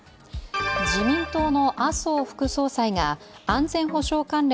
自民党の麻生副総裁が安全保障関連